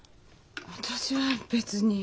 私は別に。